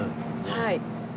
はい。